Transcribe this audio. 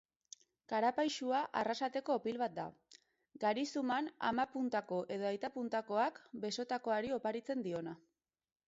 Karapaixua Arrasateko opil bat da: garizuman ama-puntako edo aita-puntakoak besotakoari oparitzen diona.